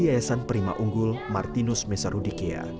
yayasan prima unggul martinus mesarudikia